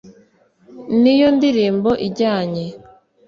ni yo ndirimbo ijyanye